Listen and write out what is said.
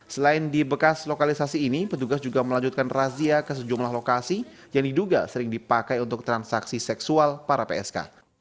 selain di bekas lokalisasi ini petugas juga melanjutkan razia ke sejumlah lokasi yang diduga sering dipakai untuk transaksi seksual para psk